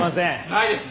ないです。